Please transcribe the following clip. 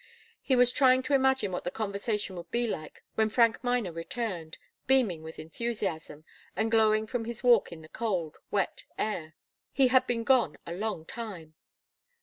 He was trying to imagine what the conversation would be like, when Frank Miner returned, beaming with enthusiasm, and glowing from his walk in the cold, wet air. He had been gone a long time.